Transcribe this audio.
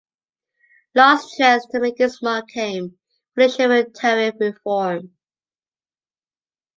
Law's chance to make his mark came with the issue of tariff reform.